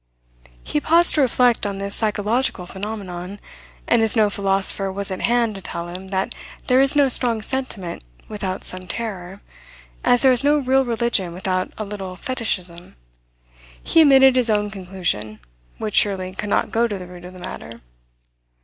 He paused to reflect on this psychological phenomenon, and as no philosopher was at hand to tell him that there is no strong sentiment without some terror, as there is no real religion without a little fetishism, he emitted his own conclusion, which surely could not go to the root of the matter.